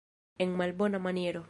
En malbona maniero.